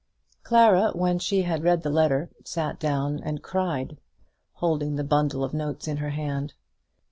Clara, when she had read the letter, sat down and cried, holding the bundle of notes in her hand.